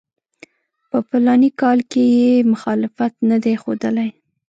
په فلاني کال کې یې مخالفت نه دی ښودلی.